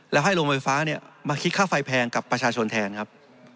แล้วให้โรงไฟฟ้ามาคิดค่าไฟแพงกับประชาชนแทนครับ